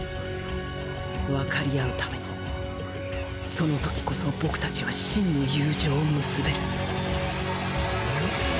わかりあうためにそのときこそ僕たちは真の友情を結べる。